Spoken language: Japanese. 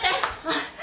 あっ。